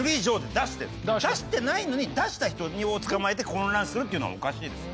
出してないのに出した人を捕まえて混乱するっていうのはおかしいですよ。